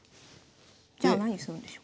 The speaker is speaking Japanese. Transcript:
じゃあ何するんでしょう？